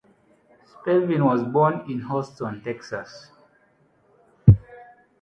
Spelvin was born in Houston, Texas.